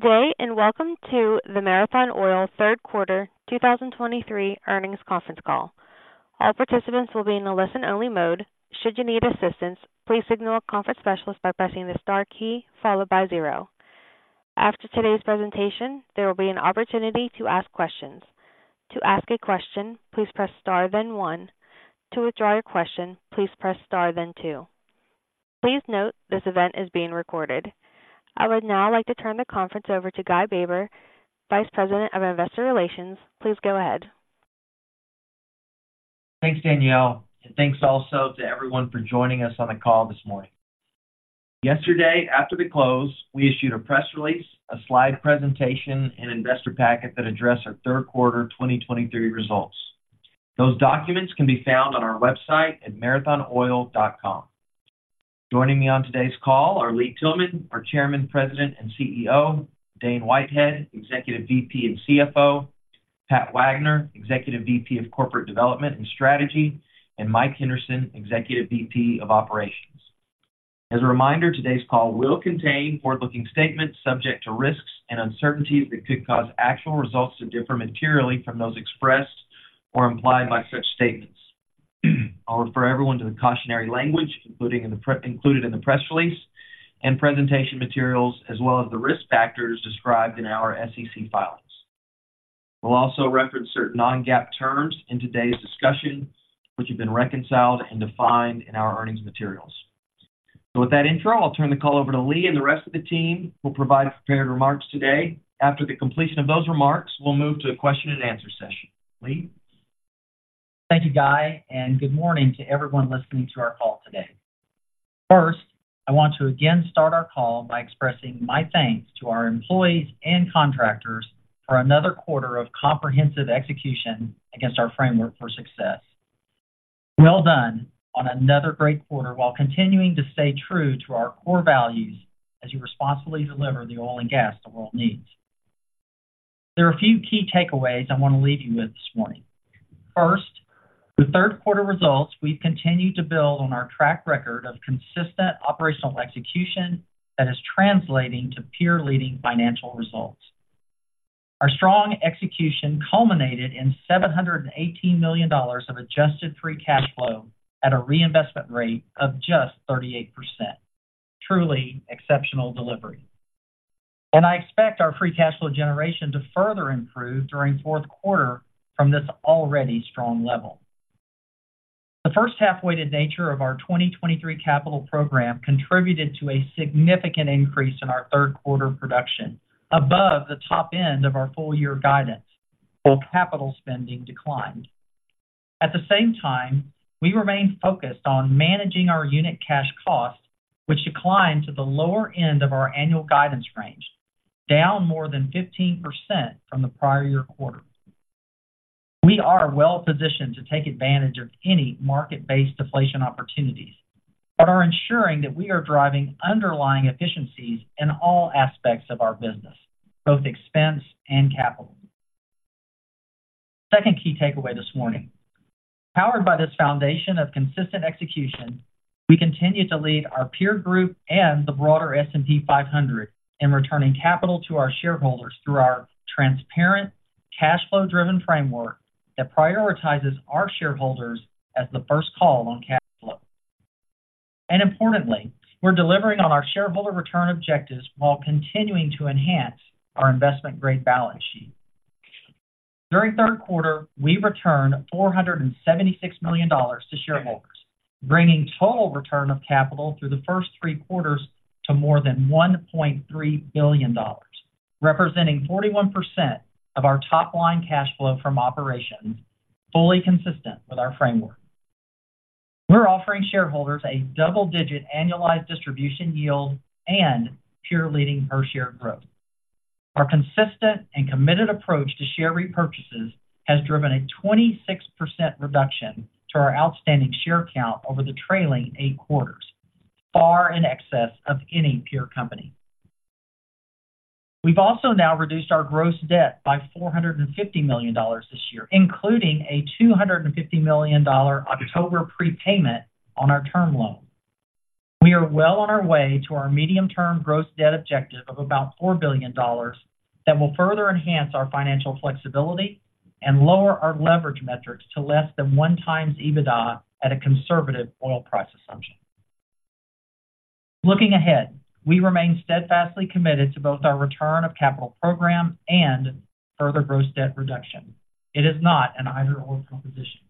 Good day, and welcome to the Marathon Oil Third Quarter 2023 earnings conference call. All participants will be in a listen-only mode. Should you need assistance, please signal a conference specialist by pressing the star key followed by 0. After today's presentation, there will be an opportunity to ask questions. To ask a question, please press star, then 1. To withdraw your question, please press star, then 2. Please note, this event is being recorded. I would now like to turn the conference over to Guy Baber, Vice President of Investor Relations. Please go ahead. Thanks, Danielle, and thanks also to everyone for joining us on the call this morning. Yesterday, after the close, we issued a press release, a slide presentation, and investor packet that addressed our third quarter 2023 results. Those documents can be found on our website at marathonoil.com. Joining me on today's call are Lee Tillman, our Chairman, President, and CEO; Dane Whitehead, Executive VP and CFO; Pat Wagner, Executive VP of Corporate Development and Strategy; and Mike Henderson, Executive VP of Operations. As a reminder, today's call will contain forward-looking statements subject to risks and uncertainties that could cause actual results to differ materially from those expressed or implied by such statements. I'll refer everyone to the cautionary language, including in the included in the press release and presentation materials, as well as the risk factors described in our SEC filings. We'll also reference certain non-GAAP terms in today's discussion, which have been reconciled and defined in our earnings materials. So with that intro, I'll turn the call over to Lee, and the rest of the team will provide prepared remarks today. After the completion of those remarks, we'll move to a question-and-answer session. Lee? Thank you, Guy, and good morning to everyone listening to our call today. First, I want to again start our call by expressing my thanks to our employees and contractors for another quarter of comprehensive execution against our framework for success. Well done on another great quarter, while continuing to stay true to our core values as you responsibly deliver the oil and gas the world needs. There are a few key takeaways I want to leave you with this morning. First, the third quarter results, we've continued to build on our track record of consistent operational execution that is translating to peer-leading financial results. Our strong execution culminated in $718 million of adjusted free cash flow at a reinvestment rate of just 38%. Truly exceptional delivery. I expect our free cash flow generation to further improve during fourth quarter from this already strong level. The first half-weighted nature of our 2023 capital program contributed to a significant increase in our third quarter production, above the top end of our full-year guidance, while capital spending declined. At the same time, we remain focused on managing our unit cash cost, which declined to the lower end of our annual guidance range, down more than 15% from the prior year quarter. We are well positioned to take advantage of any market-based deflation opportunities, but are ensuring that we are driving underlying efficiencies in all aspects of our business, both expense and capital. Second key takeaway this morning. Powered by this foundation of consistent execution, we continue to lead our peer group and the broader S&P 500 in returning capital to our shareholders through our transparent, cash flow-driven framework that prioritizes our shareholders as the first call on cash flow. And importantly, we're delivering on our shareholder return objectives while continuing to enhance our investment-grade balance sheet. During third quarter, we returned $476 million to shareholders, bringing total return of capital through the first three quarters to more than $1.3 billion, representing 41% of our top-line cash flow from operations, fully consistent with our framework. We're offering shareholders a double-digit annualized distribution yield and peer-leading per-share growth. Our consistent and committed approach to share repurchases has driven a 26% reduction to our outstanding share count over the trailing 8 quarters, far in excess of any peer company. We've also now reduced our gross debt by $450 million this year, including a $250 million October prepayment on our term loan. We are well on our way to our medium-term gross debt objective of about $4 billion that will further enhance our financial flexibility and lower our leverage metrics to less than 1x EBITDA at a conservative oil price assumption. Looking ahead, we remain steadfastly committed to both our return of capital program and further gross debt reduction. It is not an either/or proposition.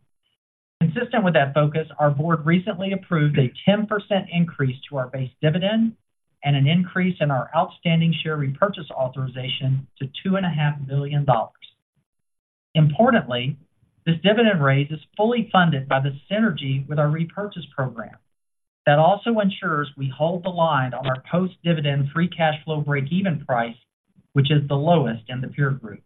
Consistent with that focus, our board recently approved a 10% increase to our base dividend and an increase in our outstanding share repurchase authorization to $2.5 billion. Importantly, this dividend raise is fully funded by the synergy with our repurchase program. That also ensures we hold the line on our post-dividend free cash flow breakeven price, which is the lowest in the peer group.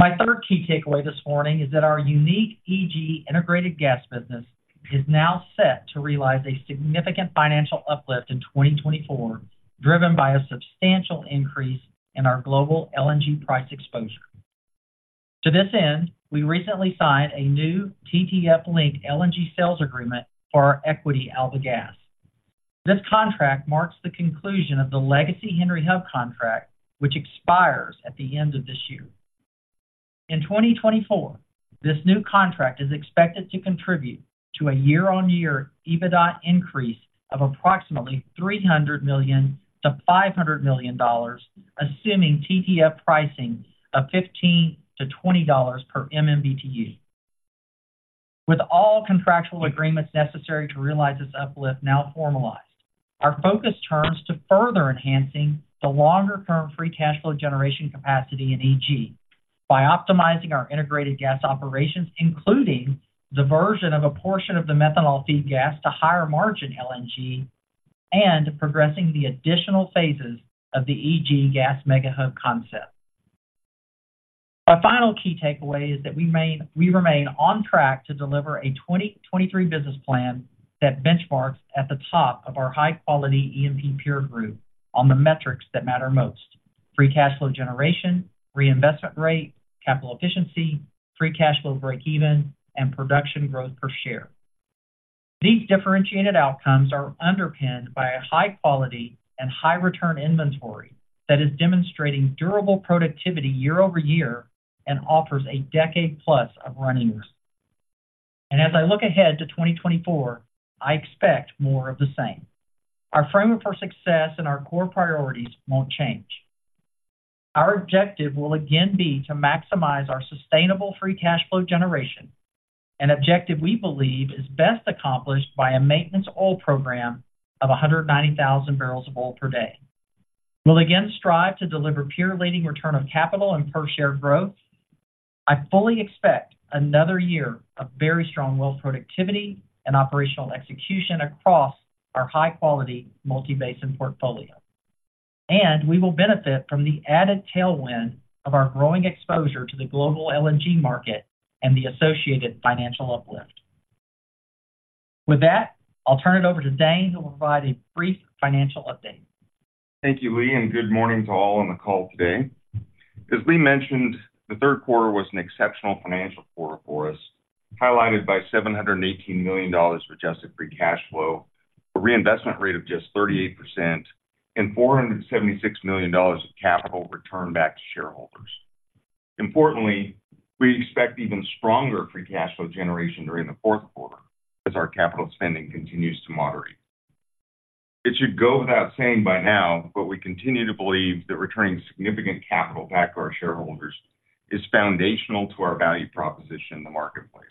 My third key takeaway this morning is that our unique EG, Integrated Gas, business is now set to realize a significant financial uplift in 2024, driven by a substantial increase in our global LNG price exposure. To this end, we recently signed a new TTF-linked LNG sales agreement for our equity Alba gas. This contract marks the conclusion of the legacy Henry Hub contract, which expires at the end of this year. In 2024, this new contract is expected to contribute to a year-on-year EBITDA increase of approximately $300 million-$500 million, assuming TTF pricing of $15-$20 per MMBtu. With all contractual agreements necessary to realize this uplift now formalized, our focus turns to further enhancing the longer-term free cash flow generation capacity in EG by optimizing our integrated gas operations, including diversion of a portion of the methanol feed gas to higher-margin LNG and progressing the additional phases of the EG Gas Mega Hub concept. Our final key takeaway is that we remain on track to deliver a 2023 business plan that benchmarks at the top of our high-quality E&P peer group on the metrics that matter most: free cash flow generation, reinvestment rate, capital efficiency, free cash flow breakeven, and production growth per share. These differentiated outcomes are underpinned by a high-quality and high-return inventory that is demonstrating durable productivity year-over-year and offers a decade plus of run rate. As I look ahead to 2024, I expect more of the same. Our framework for success and our core priorities won't change. Our objective will again be to maximize our sustainable free cash flow generation, an objective we believe is best accomplished by a maintenance oil program of 190,000 barrels of oil per day. We'll again strive to deliver peer-leading return on capital and per-share growth. I fully expect another year of very strong well productivity and operational execution across our high-quality multi-basin portfolio. We will benefit from the added tailwind of our growing exposure to the global LNG market and the associated financial uplift. With that, I'll turn it over to Dane, who will provide a brief financial update. Thank you, Lee, and good morning to all on the call today. As Lee mentioned, the third quarter was an exceptional financial quarter for us, highlighted by $718 million of adjusted free cash flow, a reinvestment rate of just 38%, and $476 million of capital returned back to shareholders. Importantly, we expect even stronger free cash flow generation during the fourth quarter as our capital spending continues to moderate. It should go without saying by now, but we continue to believe that returning significant capital back to our shareholders is foundational to our value proposition in the marketplace.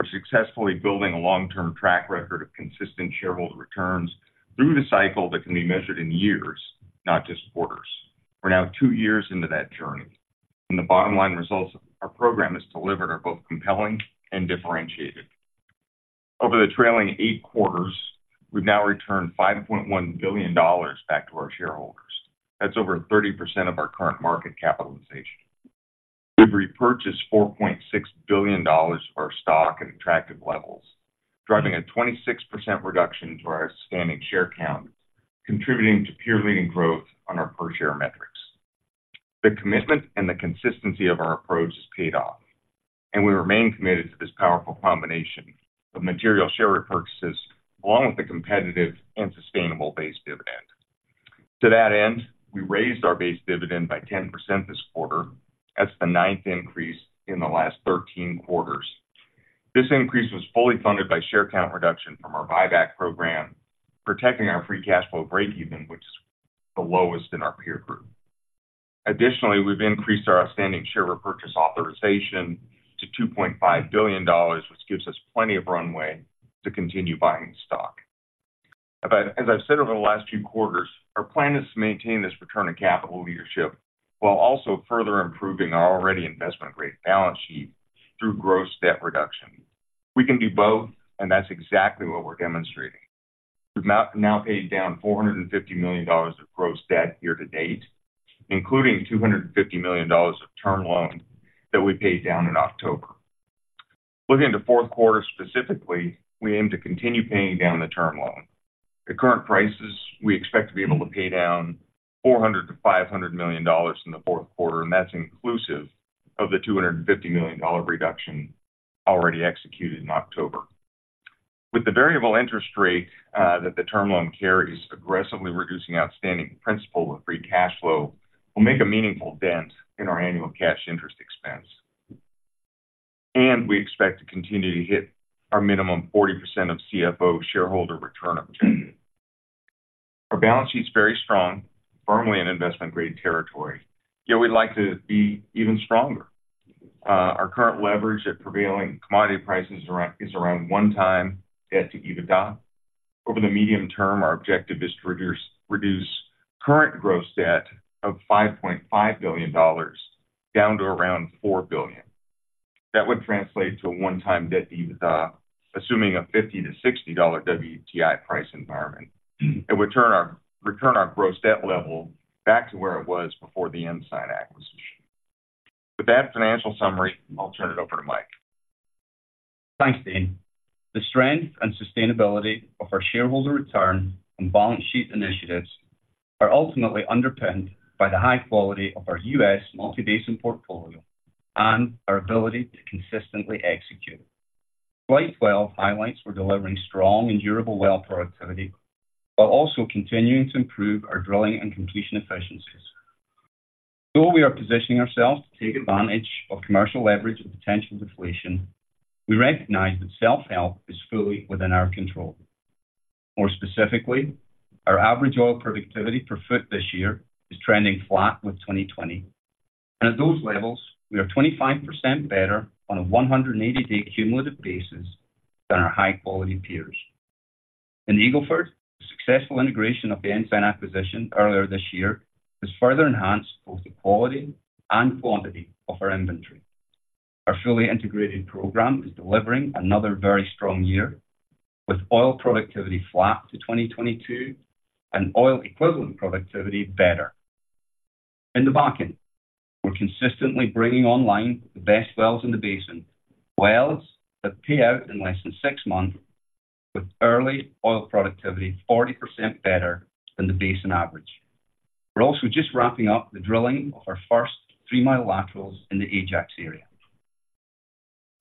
We're successfully building a long-term track record of consistent shareholder returns through the cycle that can be measured in years, not just quarters. We're now two years into that journey, and the bottom line results our program has delivered are both compelling and differentiated. Over the trailing eight quarters, we've now returned $5.1 billion back to our shareholders. That's over 30% of our current market capitalization. We've repurchased $4.6 billion of our stock at attractive levels, driving a 26% reduction to our outstanding share count, contributing to peer-leading growth on our per-share metrics. The commitment and the consistency of our approach has paid off, and we remain committed to this powerful combination of material share repurchases, along with a competitive and sustainable base dividend. To that end, we raised our base dividend by 10% this quarter. That's the ninth increase in the last 13 quarters. This increase was fully funded by share count reduction from our buyback program, protecting our free cash flow breakeven, which is the lowest in our peer group. Additionally, we've increased our outstanding share repurchase authorization to $2.5 billion, which gives us plenty of runway to continue buying stock. But as I've said over the last few quarters, our plan is to maintain this return on capital leadership while also further improving our already investment-grade balance sheet through gross debt reduction. We can do both, and that's exactly what we're demonstrating. We've now paid down $450 million of gross debt year to date, including $250 million of term loan that we paid down in October. Looking to fourth quarter specifically, we aim to continue paying down the term loan. At current prices, we expect to be able to pay down $400 million-$500 million in the fourth quarter, and that's inclusive of the $250 million reduction already executed in October. With the variable interest rate that the term loan carries, aggressively reducing outstanding principal with free cash flow will make a meaningful dent in our annual cash interest expense. We expect to continue to hit our minimum 40% of CFO shareholder return objective. Our balance sheet's very strong, firmly in investment-grade territory, yet we'd like to be even stronger. Our current leverage at prevailing commodity prices is around 1x debt to EBITDA. Over the medium term, our objective is to reduce current gross debt of $5.5 billion down to around $4 billion. That would translate to a one-time debt to EBITDA, assuming a $50-$60 WTI price environment. It would return our gross debt level back to where it was before the Ensign acquisition. With that financial summary, I'll turn it over to Mike.... Thanks, Dane. The strength and sustainability of our shareholder return and balance sheet initiatives are ultimately underpinned by the high quality of our U.S. multi-basin portfolio and our ability to consistently execute. Well highlights, we're delivering strong and durable well productivity, while also continuing to improve our drilling and completion efficiencies. Though we are positioning ourselves to take advantage of commercial leverage and potential deflation, we recognize that self-help is fully within our control. More specifically, our average oil productivity per foot this year is trending flat with 2020. And at those levels, we are 25% better on a 180-day cumulative basis than our high-quality peers. In Eagle Ford, the successful integration of the Ensign acquisition earlier this year has further enhanced both the quality and quantity of our inventory. Our fully integrated program is delivering another very strong year, with oil productivity flat to 2022 and oil equivalent productivity better. In the Bakken, we're consistently bringing online the best wells in the basin, wells that pay out in less than six months, with early oil productivity 40% better than the basin average. We're also just wrapping up the drilling of our first 3-mile laterals in the Ajax area.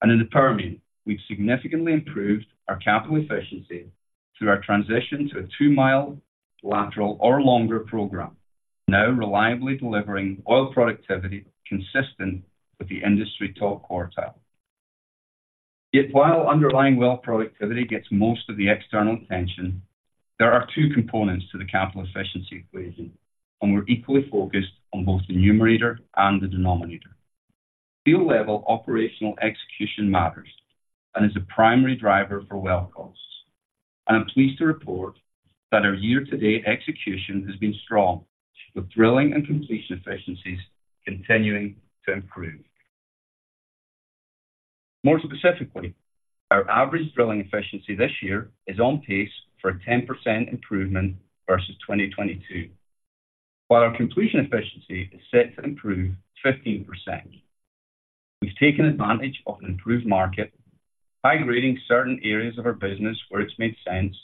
In the Permian, we've significantly improved our capital efficiency through our transition to a 2-mile lateral or longer program, now reliably delivering oil productivity consistent with the industry top quartile. Yet, while underlying well productivity gets most of the external attention, there are two components to the capital efficiency equation, and we're equally focused on both the numerator and the denominator. Field level operational execution matters and is a primary driver for well costs. I'm pleased to report that our year-to-date execution has been strong, with drilling and completion efficiencies continuing to improve. More specifically, our average drilling efficiency this year is on pace for a 10% improvement versus 2022, while our completion efficiency is set to improve 15%. We've taken advantage of an improved market by grading certain areas of our business where it's made sense.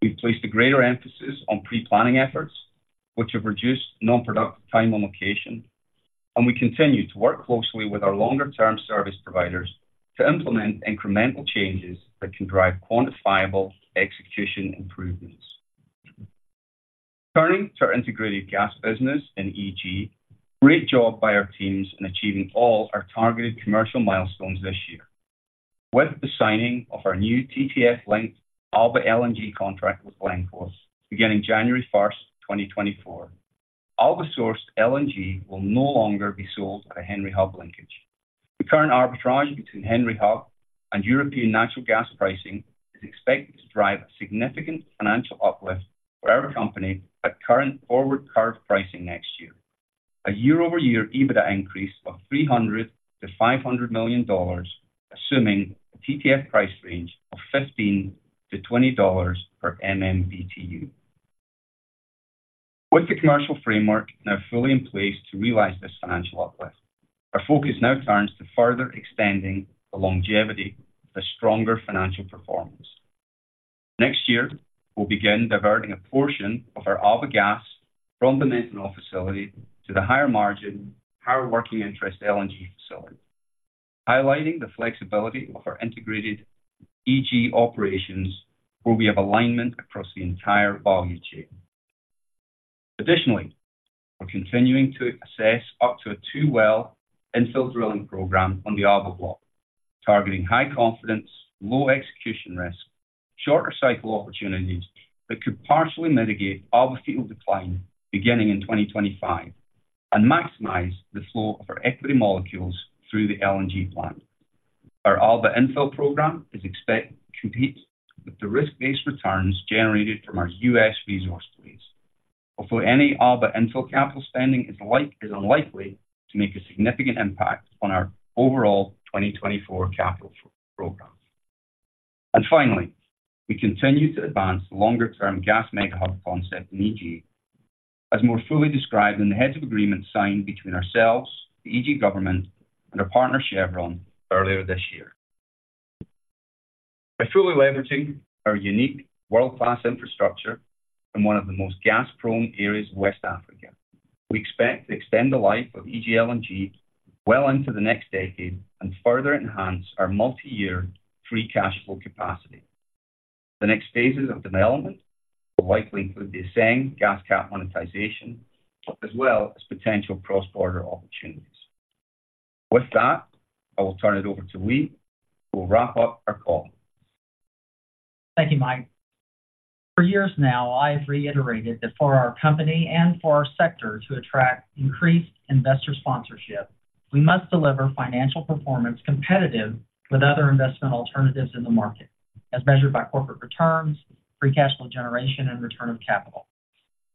We've placed a greater emphasis on pre-planning efforts, which have reduced non-productive time on location, and we continue to work closely with our longer-term service providers to implement incremental changes that can drive quantifiable execution improvements. Turning to our integrated gas business in EG, great job by our teams in achieving all our targeted commercial milestones this year. With the signing of our new TTF-linked Alba LNG contract with Glencore, beginning January 1, 2024, Alba-sourced LNG will no longer be sold at a Henry Hub linkage. The current arbitrage between Henry Hub and European natural gas pricing is expected to drive a significant financial uplift for our company at current forward curve pricing next year. A year-over-year EBITDA increase of $300 million-$500 million, assuming a TTF price range of $15-$20/MMBtu. With the commercial framework now fully in place to realize this financial uplift, our focus now turns to further extending the longevity of a stronger financial performance. Next year, we'll begin diverting a portion of our Alba gas from the methanol facility to the higher margin, higher working interest LNG facility, highlighting the flexibility of our integrated EG operations, where we have alignment across the entire value chain. Additionally, we're continuing to assess up to a 2-well infill drilling program on the Alba block, targeting high confidence, low execution risk, shorter cycle opportunities that could partially mitigate Alba field decline beginning in 2025 and maximize the flow of our equity molecules through the LNG plant. Our Alba infill program is expected to compete with the risk-based returns generated from our U.S. resource base. Although any Alba infill capital spending is unlikely to make a significant impact on our overall 2024 capital program. And finally, we continue to advance the longer-term gas mega hub concept in EG, as more fully described in the heads of agreement signed between ourselves, the EG government, and our partner, Chevron, earlier this year. By fully leveraging our unique world-class infrastructure in one of the most gas-prone areas of West Africa, we expect to extend the life of EG LNG well into the next decade and further enhance our multi-year free cash flow capacity. The next phases of development will likely include the Aseng gas cap monetization, as well as potential cross-border opportunities. With that, I will turn it over to Lee, who will wrap up our call. Thank you, Mike. For years now, I've reiterated that for our company and for our sector to attract increased investor sponsorship, we must deliver financial performance competitive with other investment alternatives in the market, as measured by corporate returns, free cash flow generation, and return of capital.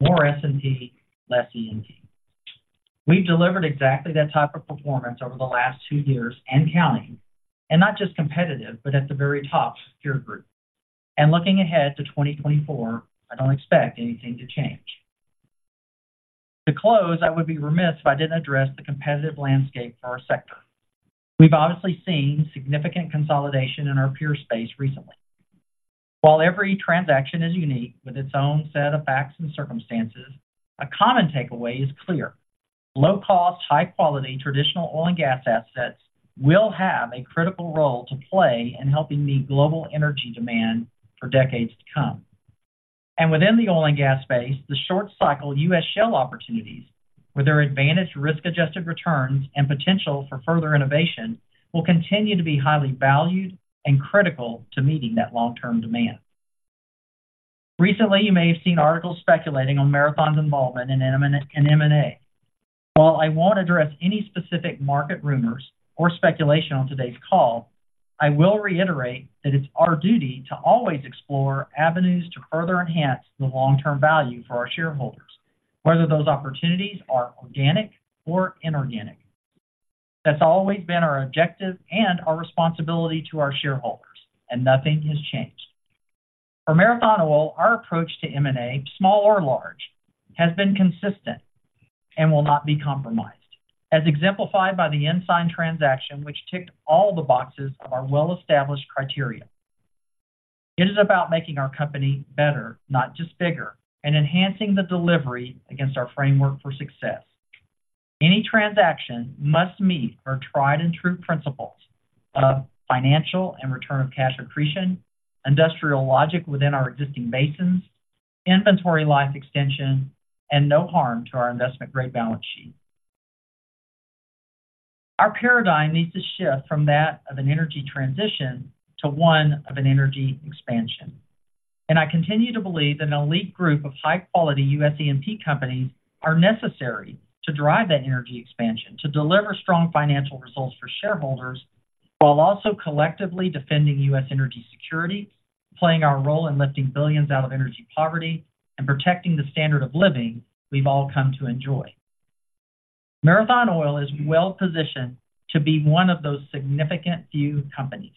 More S&P, less E&P. We've delivered exactly that type of performance over the last two years and counting, and not just competitive, but at the very top peer group. And looking ahead to 2024, I don't expect anything to change....To close, I would be remiss if I didn't address the competitive landscape for our sector. We've obviously seen significant consolidation in our peer space recently. While every transaction is unique, with its own set of facts and circumstances, a common takeaway is clear: low-cost, high-quality traditional oil and gas assets will have a critical role to play in helping meet global energy demand for decades to come. Within the oil and gas space, the short-cycle US shale opportunities, with their advantaged risk-adjusted returns and potential for further innovation, will continue to be highly valued and critical to meeting that long-term demand. Recently, you may have seen articles speculating on Marathon's involvement in M&A. While I won't address any specific market rumors or speculation on today's call, I will reiterate that it's our duty to always explore avenues to further enhance the long-term value for our shareholders, whether those opportunities are organic or inorganic. That's always been our objective and our responsibility to our shareholders, and nothing has changed. For Marathon Oil, our approach to M&A, small or large, has been consistent and will not be compromised, as exemplified by the Ensign transaction, which ticked all the boxes of our well-established criteria. It is about making our company better, not just bigger, and enhancing the delivery against our framework for success. Any transaction must meet our tried-and-true principles of financial and return of cash accretion, industrial logic within our existing basins, inventory life extension, and no harm to our investment-grade balance sheet. Our paradigm needs to shift from that of an energy transition to one of an energy expansion, and I continue to believe that an elite group of high-quality U.S. E&P companies are necessary to drive that energy expansion, to deliver strong financial results for shareholders, while also collectively defending U.S. energy security, playing our role in lifting billions out of energy poverty, and protecting the standard of living we've all come to enjoy. Marathon Oil is well-positioned to be one of those significant few companies.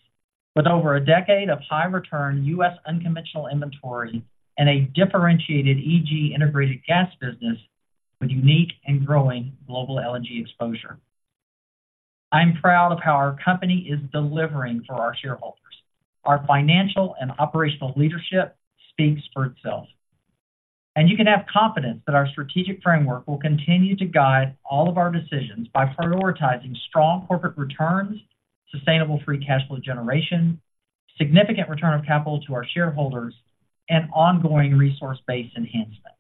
With over a decade of high-return U.S. unconventional inventory and a differentiated EG integrated gas business with unique and growing global LNG exposure. I'm proud of how our company is delivering for our shareholders. Our financial and operational leadership speaks for itself, and you can have confidence that our strategic framework will continue to guide all of our decisions by prioritizing strong corporate returns, sustainable free cash flow generation, significant return of capital to our shareholders, and ongoing resource-based enhancement,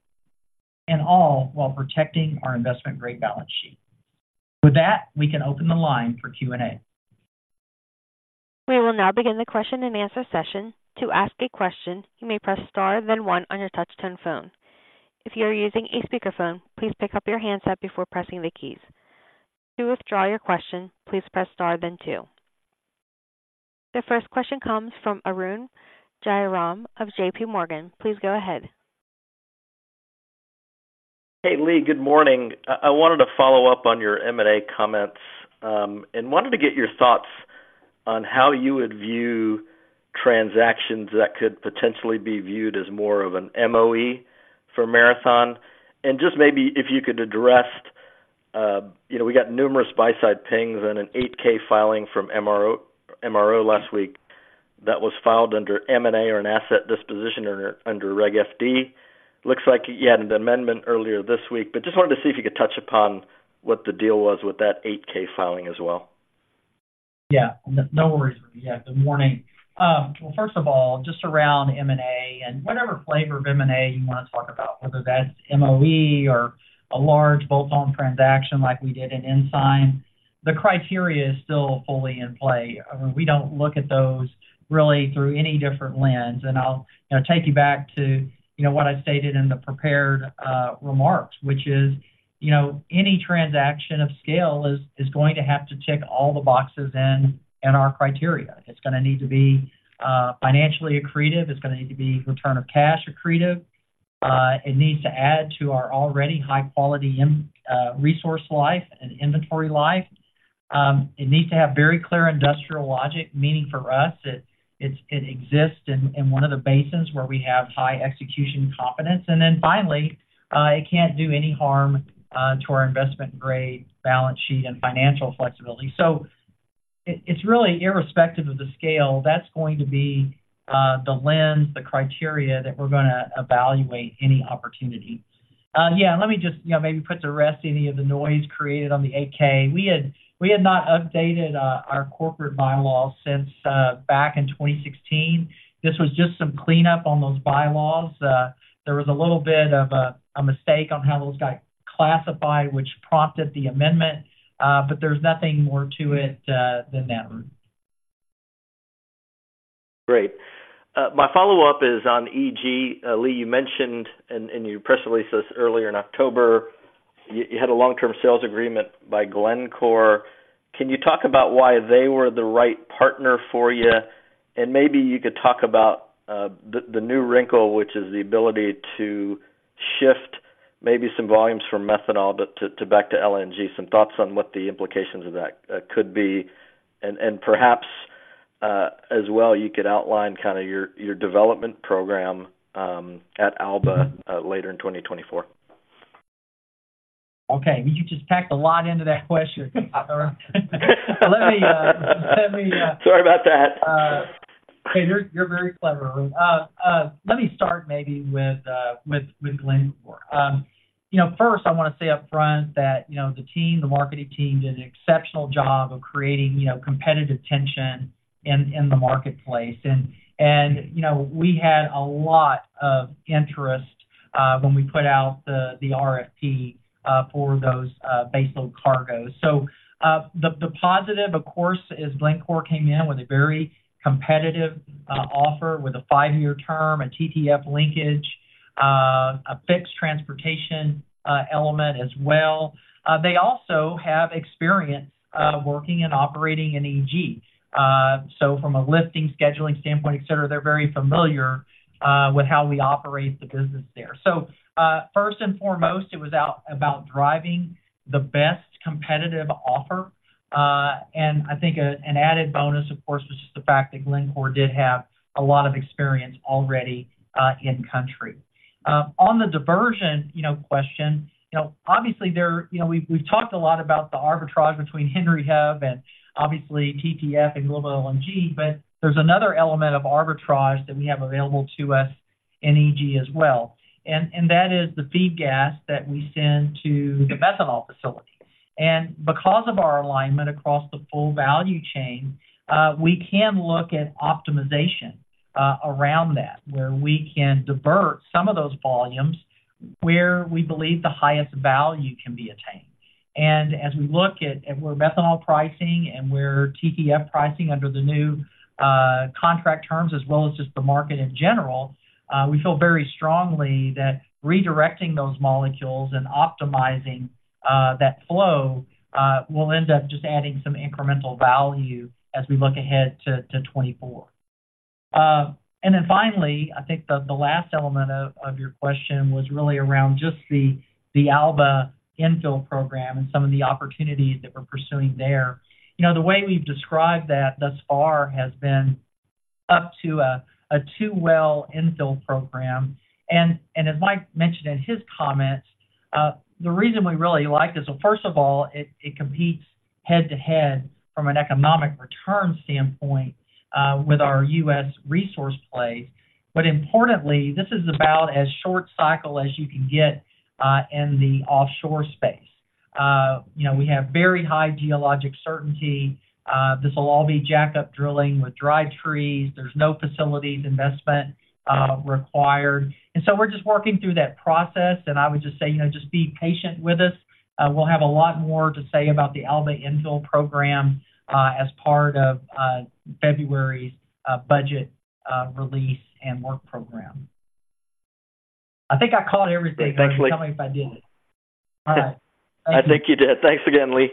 and all while protecting our investment-grade balance sheet. With that, we can open the line for Q&A. We will now begin the question-and-answer session. To ask a question, you may press star then one on your touchtone phone. If you are using a speakerphone, please pick up your handset before pressing the keys. To withdraw your question, please press star then two. The first question comes from Arun Jayaram of JP Morgan. Please go ahead. Hey, Lee, good morning. I wanted to follow up on your M&A comments, and wanted to get your thoughts on how you would view transactions that could potentially be viewed as more of an MOE for Marathon. And just maybe if you could address, you know, we got numerous buy-side pings and an 8-K filing from MRO, MRO last week that was filed under M&A or an asset disposition under Reg FD. Looks like you had an amendment earlier this week, but just wanted to see if you could touch upon what the deal was with that 8-K filing as well. Yeah, no worries, Arun. Yeah, good morning. Well, first of all, just around M&A and whatever flavor of M&A you want to talk about, whether that's MOE or a large bolt-on transaction like we did in Ensign, the criteria is still fully in play. I mean, we don't look at those really through any different lens. And I'll, you know, take you back to, you know, what I stated in the prepared, remarks, which is, you know, any transaction of scale is, is going to have to tick all the boxes in, in our criteria. It's gonna need to be, financially accretive. It's gonna need to be return of cash accretive. It needs to add to our already high-quality in, resource life and inventory life. It needs to have very clear industrial logic, meaning for us, that it exists in one of the basins where we have high execution confidence. And then finally, it can't do any harm to our investment-grade balance sheet and financial flexibility. So it, it's really irrespective of the scale. That's going to be the lens, the criteria that we're gonna evaluate any opportunity. Yeah, let me just, you know, maybe put to rest any of the noise created on the 8-K. We had not updated our corporate bylaws since back in 2016. This was just some cleanup on those bylaws. There was a little bit of a mistake on how those got classified, which prompted the amendment, but there's nothing more to it than that. Great. My follow-up is on EG. Lee, you mentioned in your press releases earlier in October, you had a long-term sales agreement by Glencore. Can you talk about why they were the right partner for you? And maybe you could talk about the new wrinkle, which is the ability to shift maybe some volumes from methanol but to back to LNG. Some thoughts on what the implications of that could be, and perhaps as well, you could outline kind of your development program at Alba later in 2024. Okay, you just packed a lot into that question. Let me, let me- Sorry about that. Hey, you're very clever. Let me start maybe with Glencore. You know, first, I want to say upfront that, you know, the team, the marketing team did an exceptional job of creating, you know, competitive tension in the marketplace. And you know, we had a lot of interest when we put out the RFP for those base load cargoes. So the positive, of course, is Glencore came in with a very competitive offer, with a five-year term, a TTF linkage, a fixed transportation element as well. They also have experience working and operating in EG. So from a lifting, scheduling standpoint, et cetera, they're very familiar with how we operate the business there. So first and foremost, it was about driving the best competitive offer. And I think an added bonus, of course, was just the fact that Glencore did have a lot of experience already in country. On the diversion, you know, question, you know, obviously there, you know, we've talked a lot about the arbitrage between Henry Hub and obviously TTF and Global LNG. But there's another element of arbitrage that we have available to us in EG as well, and that is the feed gas that we send to the methanol facility. And because of our alignment across the full value chain, we can look at optimization around that, where we can divert some of those volumes where we believe the highest value can be attained. As we look at where methanol pricing and where TTF pricing under the new contract terms, as well as just the market in general, we feel very strongly that redirecting those molecules and optimizing that flow will end up just adding some incremental value as we look ahead to 2024. And then finally, I think the last element of your question was really around just the Alba infill program and some of the opportunities that we're pursuing there. You know, the way we've described that thus far has been up to a two-well infill program. And as Mike mentioned in his comments, the reason we really like this. Well, first of all, it competes head-to-head from an economic return standpoint with our U.S. resource plays. Importantly, this is about as short cycle as you can get in the offshore space. You know, we have very high geologic certainty. This will all be jacked up drilling with dry trees. There's no facilities investment required. And so we're just working through that process, and I would just say, you know, just be patient with us. We'll have a lot more to say about the Alba infill program as part of February's budget release and work program. I think I caught everything. Thanks, Lee. Tell me if I didn't. All right. I think you did. Thanks again, Lee.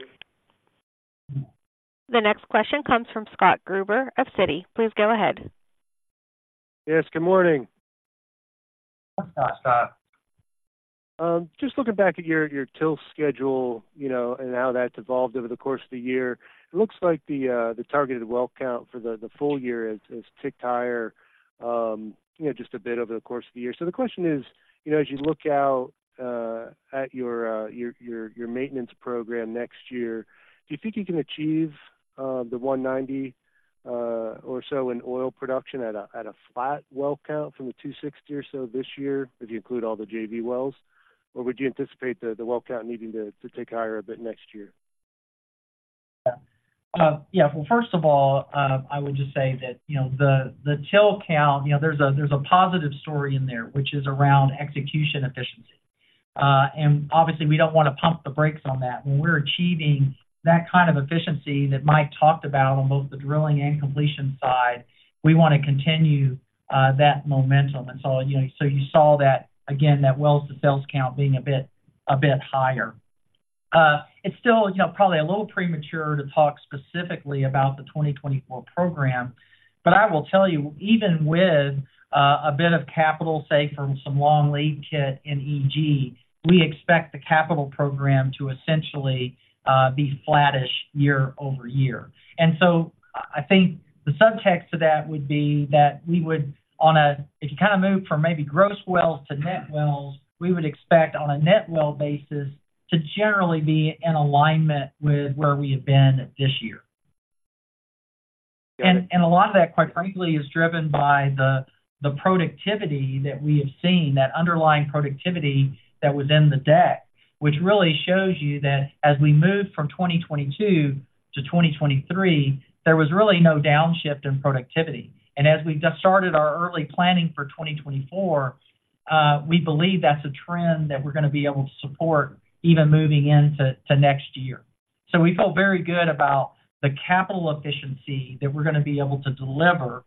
The next question comes from Scott Gruber of Citi. Please go ahead. Yes, good morning. Hi, Scott. Just looking back at your drill schedule, you know, and how that's evolved over the course of the year, it looks like the targeted well count for the full year has ticked higher, you know, just a bit over the course of the year. So the question is, you know, as you look out at your maintenance program next year, do you think you can achieve the 190 or so in oil production at a flat well count from the 260 or so this year, if you include all the JV wells? Or would you anticipate the well count needing to tick higher a bit next year? Yeah. Well, first of all, I would just say that, you know, the well count, you know, there's a positive story in there, which is around execution efficiency. And obviously, we don't want to pump the brakes on that. When we're achieving that kind of efficiency that Mike talked about on both the drilling and completion side, we want to continue that momentum. And so, you know, so you saw that, again, that wells to sales count being a bit higher. It's still, you know, probably a little premature to talk specifically about the 2024 program. But I will tell you, even with a bit of capital, say, from some long lead kit in EG, we expect the capital program to essentially be flattish year-over-year. And so I, I think the subtext to that would be that we would on a—if you kind of move from maybe gross wells to net wells, we would expect on a net well basis to generally be in alignment with where we have been this year. Got it. And a lot of that, quite frankly, is driven by the productivity that we have seen, that underlying productivity that was in the deck. Which really shows you that as we moved from 2022 to 2023, there was really no downshift in productivity. And as we've just started our early planning for 2024, we believe that's a trend that we're going to be able to support even moving into next year. So we feel very good about the capital efficiency that we're going to be able to deliver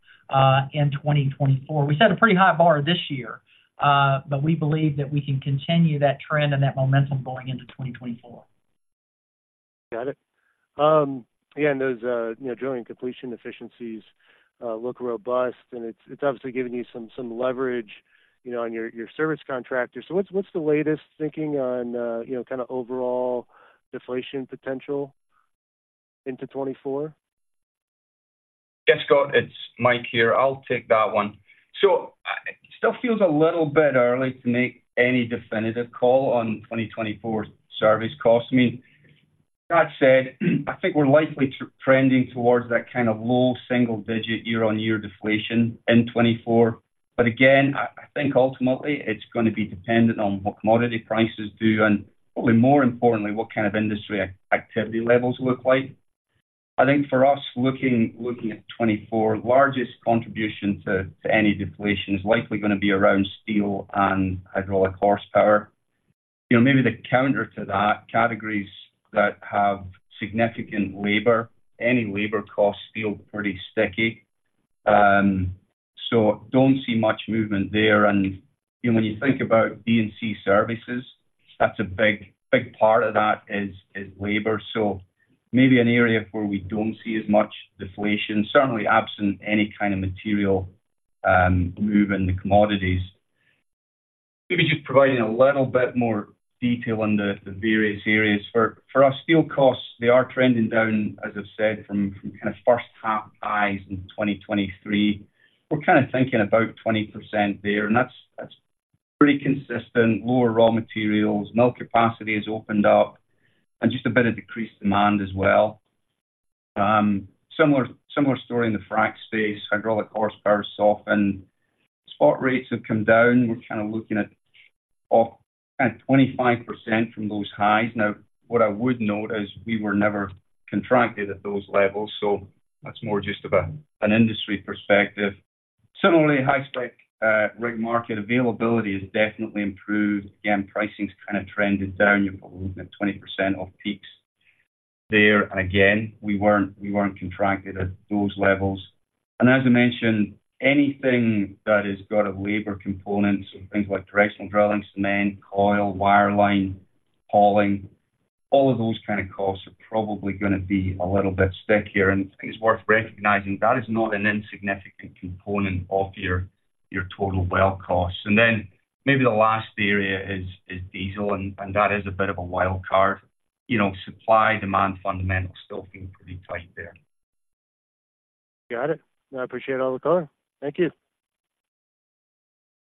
in 2024. We set a pretty high bar this year, but we believe that we can continue that trend and that momentum going into 2024. Got it. Yeah, and those, you know, drilling completion efficiencies... look robust, and it's, it's obviously giving you some, some leverage, you know, on your, your service contractors. So what's, what's the latest thinking on, you know, kind of overall deflation potential into 2024? Yes, Scott, it's Mike here. I'll take that one. So it still feels a little bit early to make any definitive call on 2024 service costs. I mean, that said, I think we're likely trending towards that kind of low single-digit year-on-year deflation in 2024. But again, I think ultimately, it's gonna be dependent on what commodity prices do and probably more importantly, what kind of industry activity levels look like. I think for us, looking at 2024, largest contribution to any deflation is likely gonna be around steel and hydraulic horsepower. You know, maybe the counter to that, categories that have significant labor, any labor costs feel pretty sticky. So don't see much movement there. And, you know, when you think about D&C services, that's a big, big part of that is labour. So maybe an area where we don't see as much deflation, certainly absent any kind of material move in the commodities. Maybe just providing a little bit more detail on the various areas. For us, steel costs, they are trending down, as I've said, from kind of first half highs in 2023. We're kind of thinking about 20% there, and that's pretty consistent. Lower raw materials, mill capacity has opened up, and just a bit of decreased demand as well. Similar story in the frack space, hydraulic horsepower soften. Spot rates have come down. We're kind of looking at off at 25% from those highs. Now, what I would note is we were never contracted at those levels, so that's more just of an industry perspective. Similarly, high spec rig market availability has definitely improved. Again, pricing's kind of trended down. You're probably looking at 20% off peaks there, and again, we weren't, we weren't contracted at those levels. As I mentioned, anything that has got a labor component, so things like directional drilling, cement, coil, wireline, hauling, all of those kind of costs are probably gonna be a little bit stickier. I think it's worth recognizing that is not an insignificant component of your, your total well costs. Then maybe the last area is, is diesel, and, and that is a bit of a wild card. You know, supply, demand, fundamentals still feel pretty tight there. Got it. I appreciate all the color. Thank you.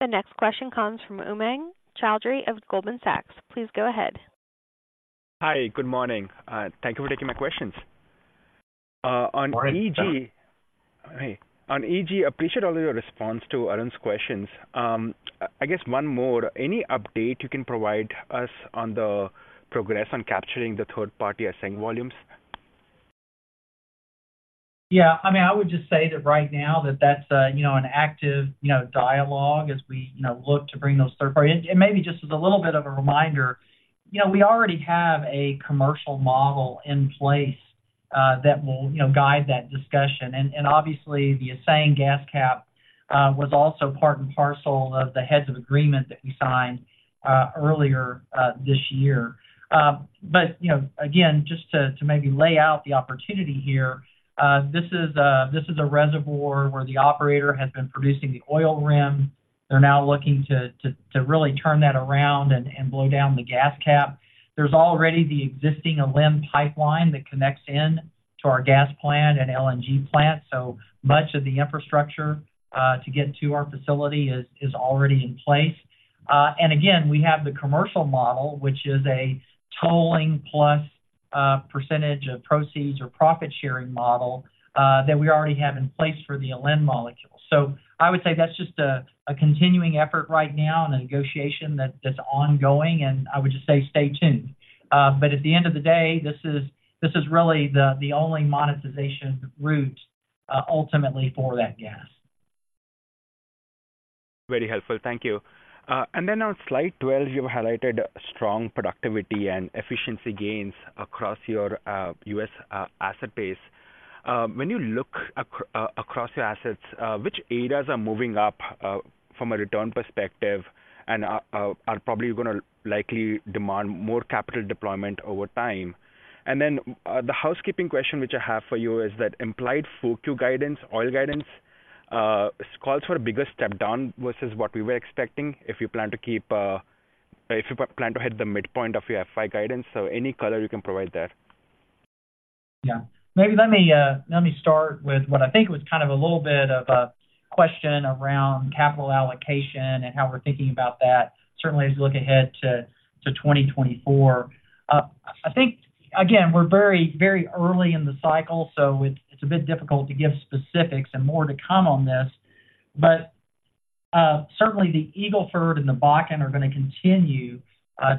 The next question comes from Umang Choudhary of Goldman Sachs. Please go ahead. Hi, good morning. Thank you for taking my questions. On EG- Hi. On EG, appreciate all of your response to Arun's questions. I guess one more, any update you can provide us on the progress on capturing the third-party Aseng volumes? Yeah, I mean, I would just say that right now that's a, you know, an active, you know, dialogue as we, you know, look to bring those third party... And maybe just as a little bit of a reminder, you know, we already have a commercial model in place that will, you know, guide that discussion. And obviously, the Aseng gas cap was also part and parcel of the heads of agreement that we signed earlier this year. But, you know, again, just to maybe lay out the opportunity here, this is a reservoir where the operator has been producing the oil rim. They're now looking to really turn that around and blow down the gas cap. There's already the existing Alba pipeline that connects in to our gas plant and LNG plant. So much of the infrastructure to get to our facility is already in place. And again, we have the commercial model, which is a tolling plus percentage of proceeds or profit-sharing model that we already have in place for the Alba methanol. So I would say that's just a continuing effort right now and a negotiation that's ongoing, and I would just say, stay tuned. But at the end of the day, this is really the only monetization route ultimately for that gas. Very helpful. Thank you. And then on slide 12, you've highlighted strong productivity and efficiency gains across your U.S. asset base. When you look across your assets, which areas are moving up from a return perspective and are probably gonna likely demand more capital deployment over time? And then, the housekeeping question which I have for you is that implied full Q guidance, oil guidance, calls for a bigger step down versus what we were expecting, if you plan to keep, if you plan to hit the midpoint of your FY guidance. So any color you can provide there? Yeah. Maybe let me let me start with what I think was kind of a little bit of a question around capital allocation and how we're thinking about that, certainly as we look ahead to 2024. I think, again, we're very, very early in the cycle, so it's a bit difficult to give specifics and more to come on this. But certainly the Eagle Ford and the Bakken are gonna continue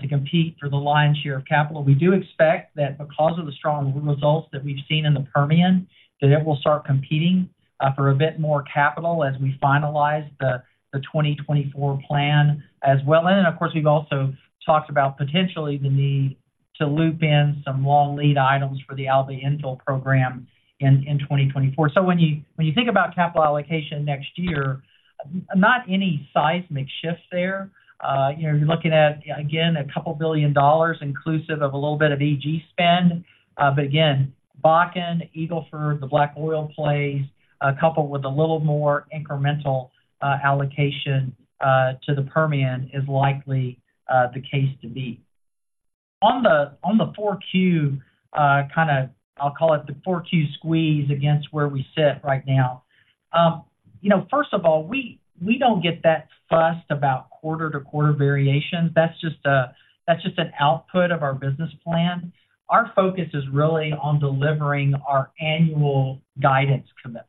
to compete for the lion's share of capital. We do expect that because of the strong results that we've seen in the Permian, that it will start competing for a bit more capital as we finalize the 2024 plan as well. And then, of course, we've also talked about potentially the need to loop in some long lead items for the Alba infill program in 2024. So when you think about capital allocation next year, not any seismic shifts there. You know, you're looking at, again, $2 billion inclusive of a little bit of EG spend. But again, Bakken, Eagle Ford, the black oil plays, coupled with a little more incremental allocation to the Permian, is likely the case to be. On the 4Q, kind of I'll call it the 4Q squeeze against where we sit right now. You know, first of all, we don't get that fussed about quarter-to-quarter variations. That's just an output of our business plan. Our focus is really on delivering our annual guidance commitment.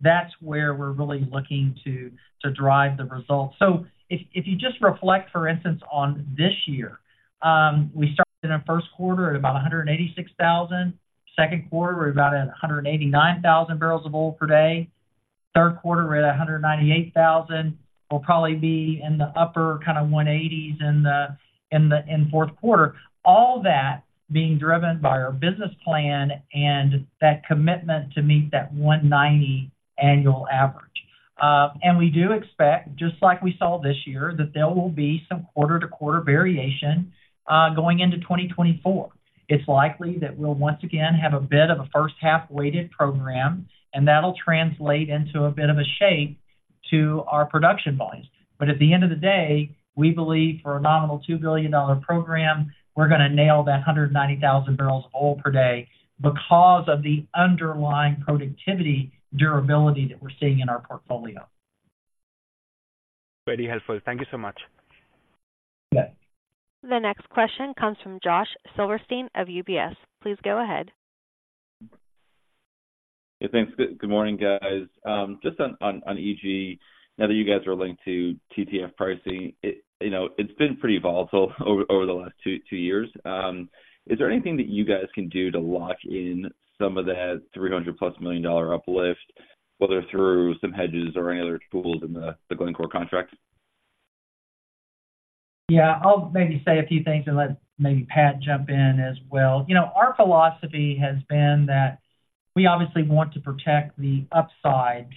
That's where we're really looking to drive the results. So if, if you just reflect, for instance, on this year, we started in the first quarter at about 186,000. Second quarter, we're about at 189,000 barrels of oil per day. Third quarter, we're at 198,000. We'll probably be in the upper kind of 180s in the fourth quarter. All that being driven by our business plan and that commitment to meet that 190 annual average. And we do expect, just like we saw this year, that there will be some quarter-to-quarter variation, going into 2024. It's likely that we'll once again have a bit of a first half weighted program, and that'll translate into a bit of a shape to our production volumes. But at the end of the day, we believe for a nominal $2 billion program, we're gonna nail that 190,000 barrels of oil per day because of the underlying productivity durability that we're seeing in our portfolio. Very helpful. Thank you so much. Yeah. The next question comes from Josh Silverstein of UBS. Please go ahead. Hey, thanks. Good morning, guys. Just on EG, now that you guys are linked to TTF pricing, you know, it's been pretty volatile over the last two years. Is there anything that you guys can do to lock in some of that $300+ million uplift, whether through some hedges or any other tools in the Glencore contract? Yeah, I'll maybe say a few things and let maybe Pat jump in as well. You know, our philosophy has been that we obviously want to protect the upside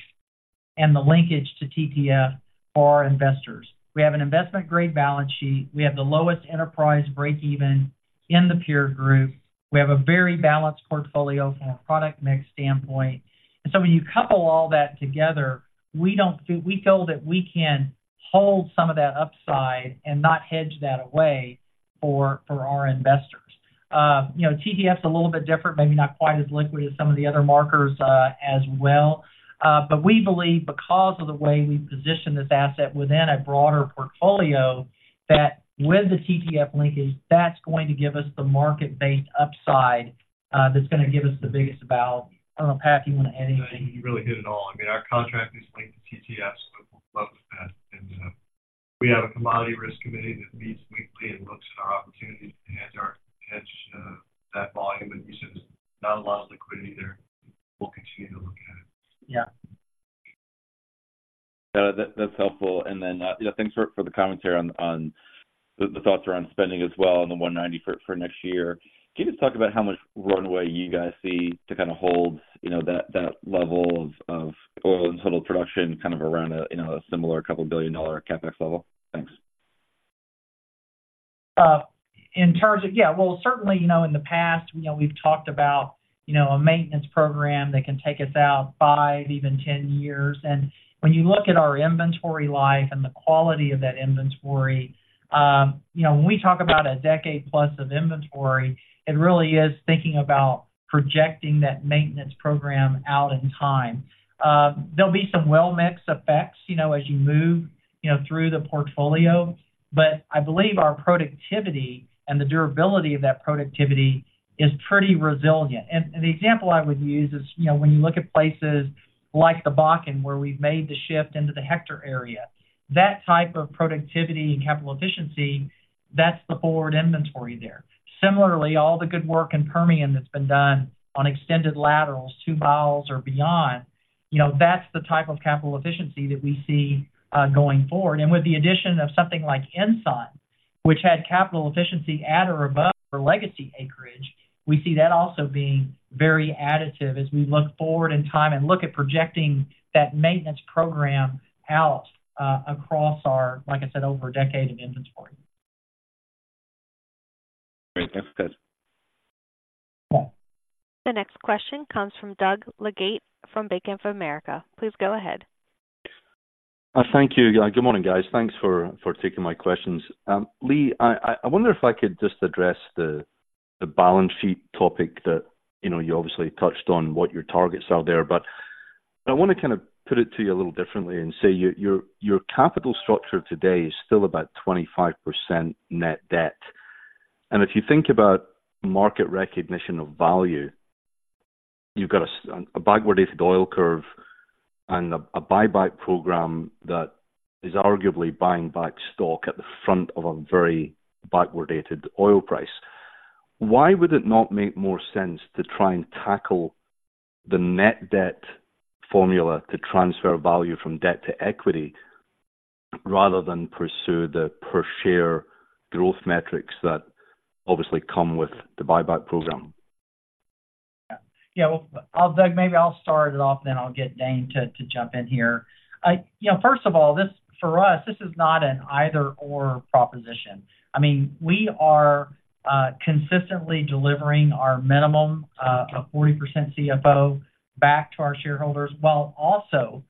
and the linkage to TTF for our investors. We have an investment-grade balance sheet. We have the lowest enterprise breakeven in the peer group. We have a very balanced portfolio from a product mix standpoint. And so when you couple all that together, we don't feel - we feel that we can hold some of that upside and not hedge that away for, for our investors. You know, TTF is a little bit different, maybe not quite as liquid as some of the other markers, as well. We believe because of the way we position this asset within a broader portfolio, that with the TTF linkage, that's going to give us the market-based upside, that's gonna give us the biggest value. I don't know, Pat, you want to add anything? You really hit it all. I mean, our contract is linked to TTF, so we're above that. And, we have a commodity risk committee that meets weekly and looks at our opportunities to hedge our, hedge, that volume. But you said there's not a lot of liquidity there. We'll continue to look at it. Yeah. Yeah, that, that's helpful. And then, yeah, thanks for, for the commentary on, on the, the thoughts around spending as well and the $190 for, for next year. Can you just talk about how much runway you guys see to kind of hold, you know, that, that level of, of oil and total production kind of around a, you know, a similar couple billion-dollar CapEx level? Thanks. Yeah, well, certainly, you know, in the past, you know, we've talked about, you know, a maintenance program that can take us out 5, even 10 years. And when you look at our inventory life and the quality of that inventory, you know, when we talk about a decade plus of inventory, it really is thinking about projecting that maintenance program out in time. There'll be some well mix effects, you know, as you move, you know, through the portfolio. But I believe our productivity and the durability of that productivity is pretty resilient. And, and the example I would use is, you know, when you look at places like the Bakken, where we've made the shift into the Hector area, that type of productivity and capital efficiency, that's the forward inventory there. Similarly, all the good work in Permian that's been done on extended laterals, two miles or beyond, you know, that's the type of capital efficiency that we see going forward. And with the addition of something like Ensign, which had capital efficiency at or above our legacy acreage, we see that also being very additive as we look forward in time and look at projecting that maintenance program out, like I said, across our over a decade of inventory. Great. That's good. Yeah. The next question comes from Doug Leggate from Bank of America. Please go ahead. Thank you. Good morning, guys. Thanks for taking my questions. Lee, I wonder if I could just address the balance sheet topic that, you know, you obviously touched on what your targets are there. But I want to kind of put it to you a little differently and say your capital structure today is still about 25% net debt. And if you think about market recognition of value, you've got a backwardated oil curve and a buyback program that is arguably buying back stock at the front of a very backwardated oil price. Why would it not make more sense to try and tackle the net debt formula to transfer value from debt to equity, rather than pursue the per-share growth metrics that obviously come with the buyback program? ... Yeah, well, I'll-- Doug, maybe I'll start it off, then I'll get Dane to jump in here. You know, first of all, this-- for us, this is not an either/or proposition. I mean, we are consistently delivering our minimum of 40% CFO back to our shareholders, while also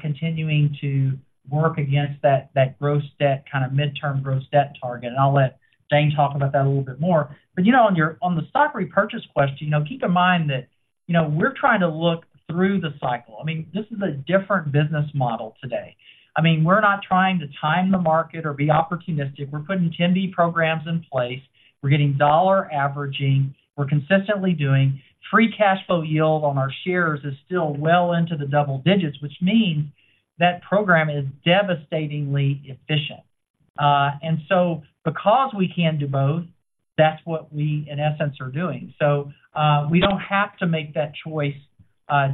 continuing to work against that gross debt, kind of, midterm gross debt target. And I'll let Dane talk about that a little bit more. But, you know, on your-- on the stock repurchase question, you know, keep in mind that, you know, we're trying to look through the cycle. I mean, this is a different business model today. I mean, we're not trying to time the market or be opportunistic. We're putting $10B programs in place. We're getting dollar averaging. We're consistently doing free cash flow yield on our shares is still well into the double digits, which means that program is devastatingly efficient. And so because we can do both, that's what we, in essence, are doing. So, we don't have to make that choice,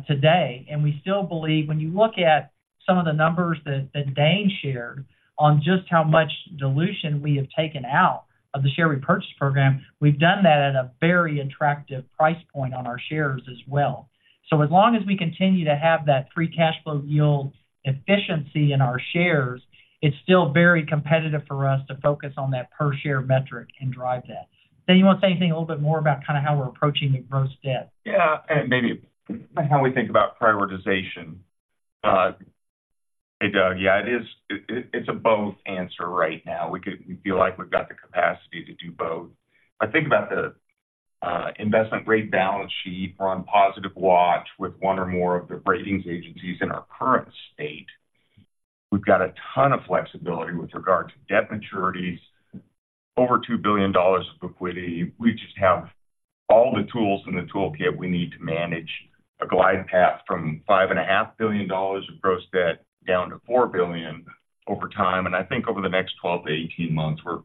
today. And we still believe when you look at some of the numbers that Dane shared on just how much dilution we have taken out of the share repurchase program, we've done that at a very attractive price point on our shares as well. So as long as we continue to have that free cash flow yield efficiency in our shares, it's still very competitive for us to focus on that per-share metric and drive that. Dane, you want to say anything a little bit more about kind of how we're approaching the gross debt? Yeah, and maybe how we think about prioritization. Hey, Doug. Yeah, it is—it, it's a both answer right now. We could—we feel like we've got the capacity to do both. I think about the investment grade balance sheet. We're on positive watch with one or more of the ratings agencies in our current state. We've got a ton of flexibility with regard to debt maturities, over $2 billion of liquidity. We just have all the tools in the toolkit we need to manage a glide path from $5.5 billion of gross debt down to $4 billion over time. And I think over the next 12 to 18 months, we're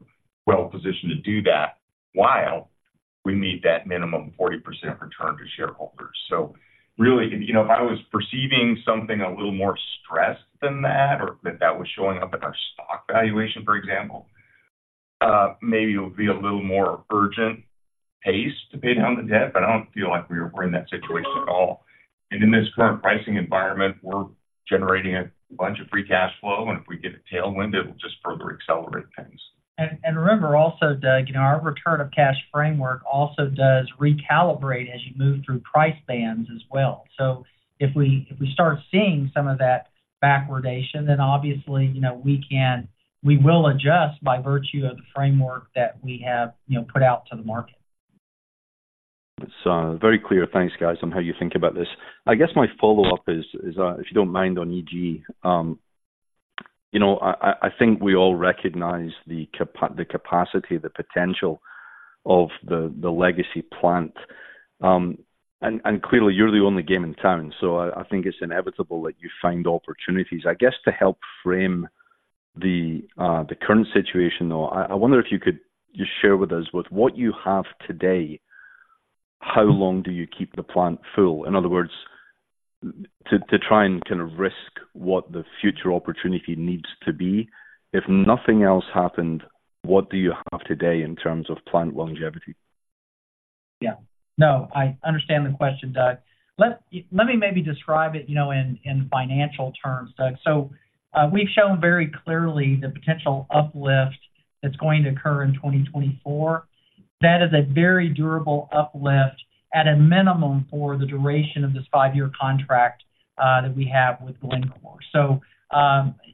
well positioned to do that while we meet that minimum 40% return to shareholders. So really, you know, if I was perceiving something a little more stressed than that or that that was showing up in our stock valuation, for example, maybe it would be a little more urgent pace to pay down the debt, but I don't feel like we're, we're in that situation at all. And in this current pricing environment, we're generating a bunch of free cash flow, and if we get a tailwind, it will just further accelerate things. And remember also, Doug, you know, our return of cash framework also does recalibrate as you move through price bands as well. So if we start seeing some of that backwardation, then obviously, you know, we can, we will adjust by virtue of the framework that we have, you know, put out to the market. It's very clear. Thanks, guys, on how you think about this. I guess my follow-up is, if you don't mind, on EG. You know, I think we all recognize the capacity, the potential of the legacy plant. And clearly, you're the only game in town, so I think it's inevitable that you find opportunities. I guess, to help frame the current situation, though, I wonder if you could just share with us, with what you have today, how long do you keep the plant full? In other words, to try and kind of risk what the future opportunity needs to be. If nothing else happened, what do you have today in terms of plant longevity? Yeah. No, I understand the question, Doug. Let me maybe describe it, you know, in financial terms, Doug. So, we've shown very clearly the potential uplift that's going to occur in 2024. That is a very durable uplift at a minimum for the duration of this five-year contract that we have with Glencore. So,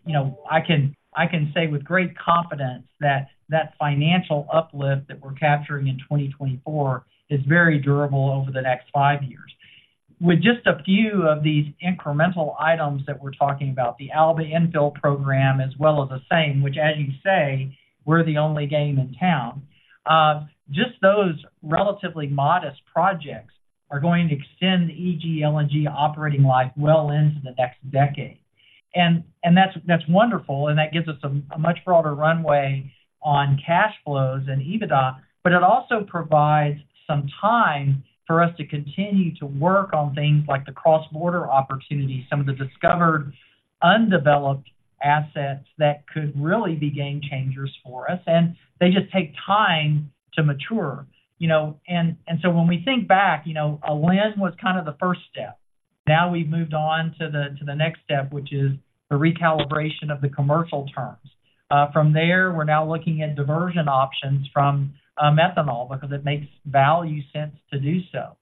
you know, I can say with great confidence that that financial uplift that we're capturing in 2024 is very durable over the next five years. With just a few of these incremental items that we're talking about, the Alba infill program, as well as Aseng, which, as you say, we're the only game in town. Just those relatively modest projects are going to extend the EG LNG operating life well into the next decade. That's wonderful, and that gives us a much broader runway on cash flows and EBITDA, but it also provides some time for us to continue to work on things like the cross-border opportunities, some of the discovered undeveloped assets that could really be game changers for us, and they just take time to mature. You know, and so when we think back, you know, Alen was kind of the first step. Now we've moved on to the next step, which is the recalibration of the commercial terms. From there, we're now looking at diversion options from methanol because it makes value sense to do so.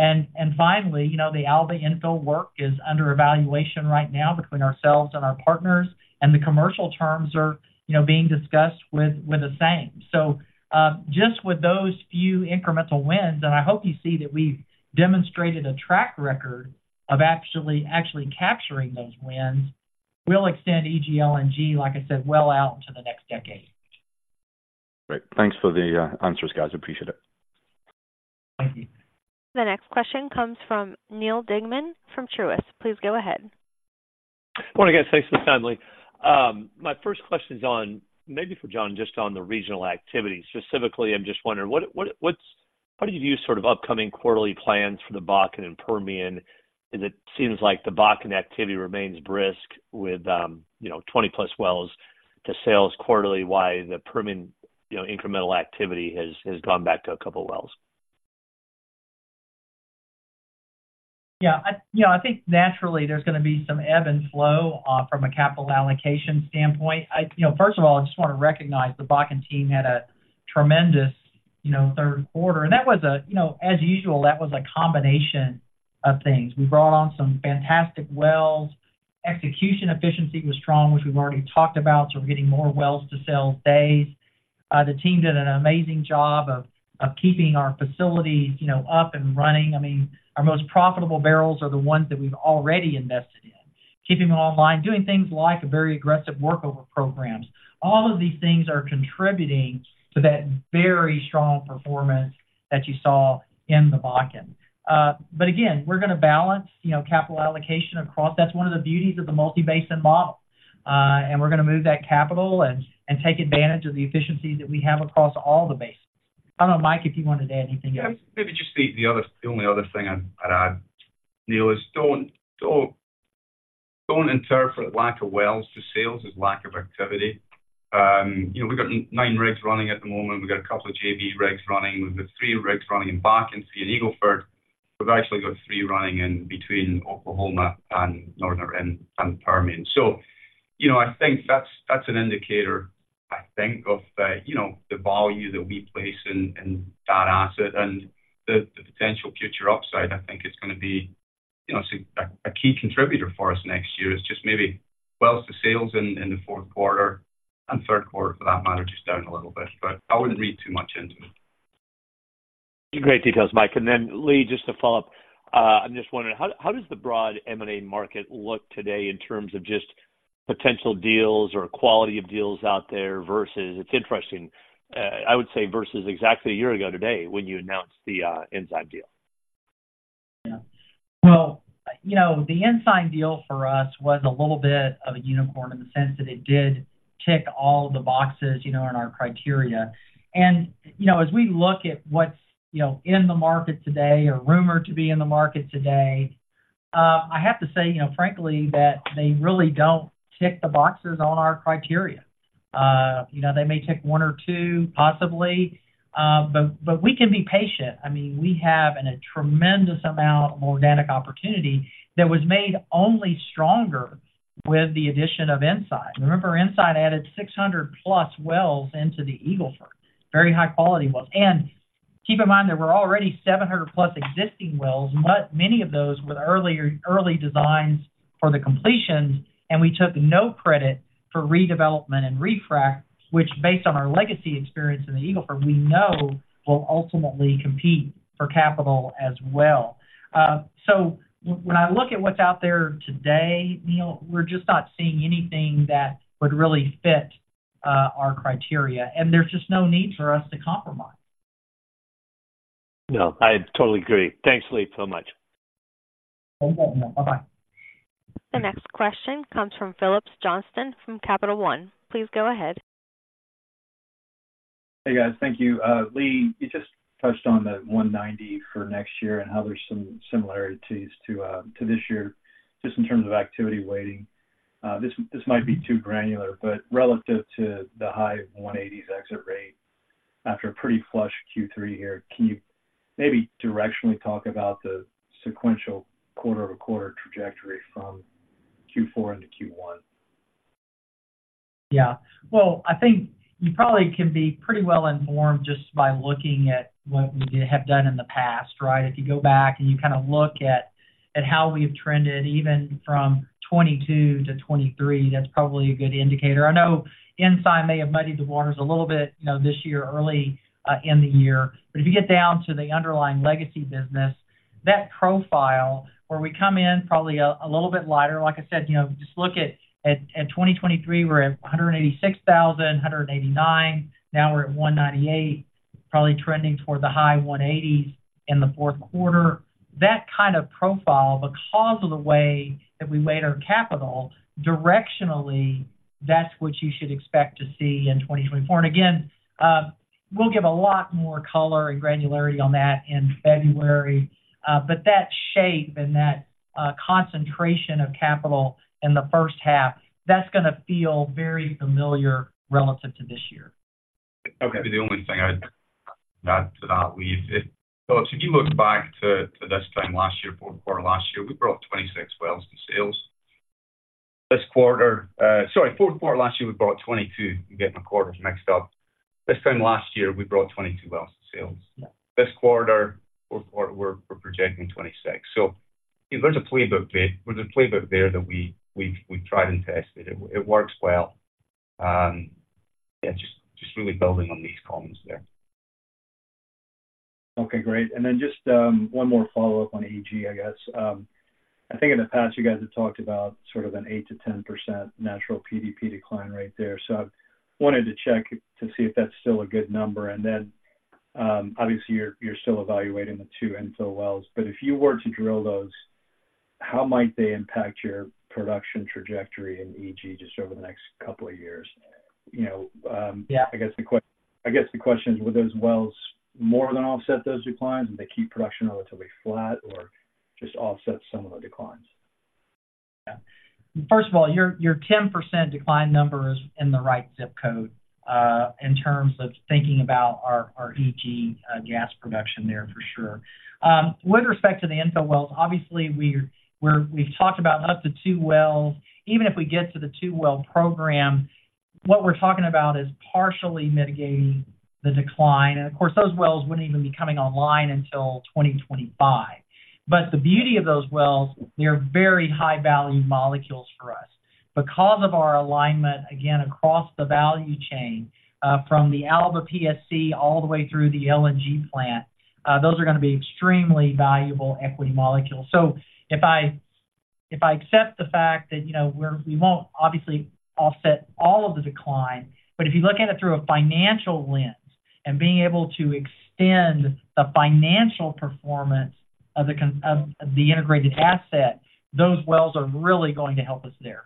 And finally, you know, the Alba infill work is under evaluation right now between ourselves and our partners, and the commercial terms are, you know, being discussed with the same. So, just with those few incremental wins, and I hope you see that we've demonstrated a track record of actually capturing those wins, we'll extend EG LNG, like I said, well out into the next decade. Great. Thanks for the answers, guys. Appreciate it. Thank you. The next question comes from Neil Dingmann from Truist. Please go ahead. Morning, guys. Thanks for the time, Lee. My first question is on, maybe for John, just on the regional activity. Specifically, I'm just wondering, what's how do you view sort of upcoming quarterly plans for the Bakken and Permian? And it seems like the Bakken activity remains brisk with, you know, 20+ wells to sales quarterly, while the Permian, you know, incremental activity has gone back to a couple wells. Yeah, I, you know, I think naturally there's going to be some ebb and flow from a capital allocation standpoint. You know, first of all, I just want to recognize the Bakken team had a tremendous, you know, third quarter, and that was a, you know, as usual, that was a combination of things. We brought on some fantastic wells. Execution efficiency was strong, which we've already talked about, so we're getting more wells to sales days. The team did an amazing job of keeping our facilities, you know, up and running. I mean, our most profitable barrels are the ones that we've already invested in. Keeping them online, doing things like a very aggressive workover programs. All of these things are contributing to that very strong performance that you saw in the Bakken. But again, we're gonna balance, you know, capital allocation across. That's one of the beauties of the multi-basin model. And we're gonna move that capital and take advantage of the efficiencies that we have across all the basins. I don't know, Mike, if you want to add anything else. Yeah, maybe just the other, the only other thing I'd add, Neil, is don't interpret lack of wells to sales as lack of activity. You know, we've got 9 rigs running at the moment. We've got a couple of JV rigs running. We've got 3 rigs running in Bakken, 3 in Eagle Ford. We've actually got 3 running in between Oklahoma and Northern and Permian. So, you know, I think that's an indicator, I think of, you know, the value that we place in that asset and the potential future upside. I think it's gonna be, you know, a key contributor for us next year. It's just maybe wells to sales in the fourth quarter and third quarter, for that matter, just down a little bit, but I wouldn't read too much into it. Great details, Mike. And then, Lee, just to follow up, I'm just wondering, how does the broad M&A market look today in terms of just potential deals or quality of deals out there versus... It's interesting, I would say versus exactly a year ago today when you announced the Ensign deal? Yeah. Well, you know, the Ensign deal for us was a little bit of a unicorn in the sense that it did tick all the boxes, you know, in our criteria. And, you know, as we look at what's, you know, in the market today or rumored to be in the market today, I have to say, you know, frankly, that they really don't tick the boxes on our criteria. You know, they may tick one or two, possibly, but, but we can be patient. I mean, we have a tremendous amount of organic opportunity that was made only stronger with the addition of Ensign. Remember, Ensign added 600+ wells into the Eagle Ford. Very high quality wells. Keep in mind, there were already 700+ existing wells, but many of those with earlier, early designs for the completions, and we took no credit for redevelopment and refrac, which, based on our legacy experience in the Eagle Ford, we know will ultimately compete for capital as well. So when I look at what's out there today, Neil, we're just not seeing anything that would really fit our criteria, and there's just no need for us to compromise. No, I totally agree. Thanks, Lee, so much. Okay, Neil. Bye-bye. The next question comes from Phillips Johnston from Capital One. Please go ahead. Hey, guys. Thank you. Lee, you just touched on the $190 for next year and how there's some similarities to this year, just in terms of activity weighting. This might be too granular, but relative to the high $180s exit rate after a pretty flush Q3 here, can you maybe directionally talk about the sequential quarter-over-quarter trajectory from Q4 into Q1? Yeah. Well, I think you probably can be pretty well informed just by looking at what we have done in the past, right? If you go back and you kind of look at how we've trended, even from 2022 to 2023, that's probably a good indicator. I know Ensign may have muddied the waters a little bit, you know, this year, early in the year. But if you get down to the underlying legacy business, that profile where we come in probably a little bit lighter. Like I said, you know, just look at 2023, we're at 186,000, 189,000, now we're at 198,000, probably trending toward the high 180s in the fourth quarter. That kind of profile, because of the way that we weighed our capital, directionally, that's what you should expect to see in 2024. And again, we'll give a lot more color and granularity on that in February. But that shape and that concentration of capital in the first half, that's gonna feel very familiar relative to this year. Okay. The only thing I'd add to that, Lee, if... So if you look back to, to this time last year, fourth quarter last year, we brought 26 wells to sales. This quarter, sorry, fourth quarter last year, we brought 22. I'm getting my quarters mixed up. This time last year, we brought 22 wells to sales. Yeah. This quarter, fourth quarter, we're projecting 26. So there's a playbook there. There's a playbook there that we've tried and tested. It works well. Yeah, just really building on Lee's comments there. Okay, great. And then just, 1 more follow-up on EG, I guess. I think in the past, you guys have talked about sort of an 8%-10% natural PDP decline rate there. So I wanted to check to see if that's still a good number. And then, obviously, you're, you're still evaluating the 2 infill wells, but if you were to drill those, how might they impact your production trajectory in EG just over the next couple of years? You know, Yeah. I guess the question is, will those wells more than offset those declines, and they keep production relatively flat or just offset some of the declines? Yeah. First of all, your 10% decline number is in the right zip code in terms of thinking about our EG gas production there, for sure. With respect to the infill wells, obviously, we've talked about up to two wells. Even if we get to the two-well program, what we're talking about is partially mitigating the decline. And of course, those wells wouldn't even be coming online until 2025. But the beauty of those wells, they're very high-value molecules for us. Because of our alignment, again, across the value chain, from the Alba PSC all the way through the LNG plant, those are gonna be extremely valuable equity molecules. So if I accept the fact that, you know, we won't obviously offset all of the decline, but if you look at it through a financial lens and being able to extend the financial performance of the integrated asset, those wells are really going to help us there.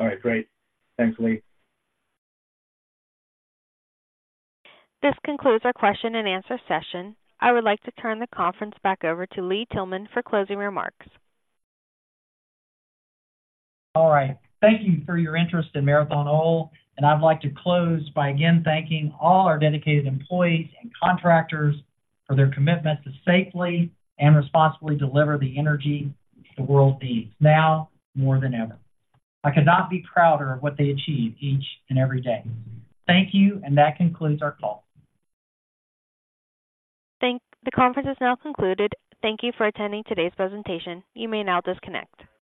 All right, great. Thanks, Lee. This concludes our question and answer session. I would like to turn the conference back over to Lee Tillman for closing remarks. All right. Thank you for your interest in Marathon Oil, and I'd like to close by again thanking all our dedicated employees and contractors for their commitment to safely and responsibly deliver the energy the world needs now more than ever. I could not be prouder of what they achieve each and every day. Thank you, and that concludes our call. The conference is now concluded. Thank you for attending today's presentation. You may now disconnect.